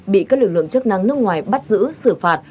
bị các lực lượng chức năng nước ngoài bắt giữ xử phạt